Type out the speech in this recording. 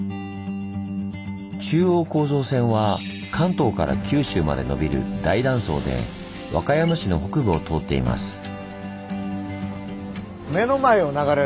中央構造線は関東から九州までのびる大断層で和歌山市の北部を通っています。